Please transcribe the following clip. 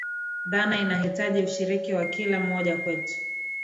Dhana inahitaji ushiriki wa kila mmoja wetu